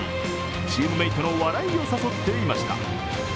チームメートの笑いを誘っていました。